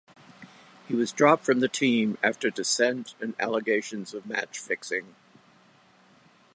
He was dropped from the team after dissent and allegations of match-fixing.